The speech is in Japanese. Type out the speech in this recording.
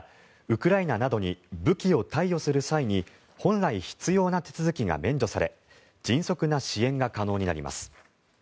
ウクライナなどに武器を貸与する際に本来必要な手続きが免除され迅速な支援が可能になります。